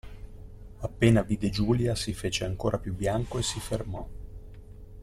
Appena vide Giulia, si fece ancora più bianco e si fermò.